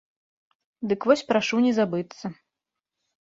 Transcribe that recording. Дык вось прашу не забыцца.